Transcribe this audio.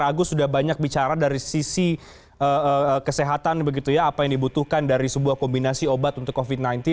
saya ragu sudah banyak bicara dari sisi kesehatan apa yang dibutuhkan dari sebuah kombinasi obat untuk covid sembilan belas